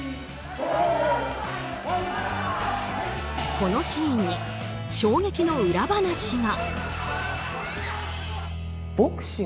このシーンに衝撃の裏話が。